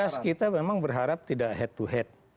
yang jelas kita memang berharap tidak head to head